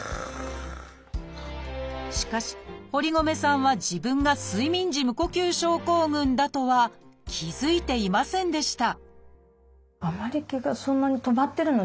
しかし堀米さんは自分が睡眠時無呼吸症候群だとは気付いていませんでした